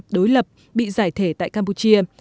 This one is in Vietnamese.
đối lập bị giải thể tại campuchia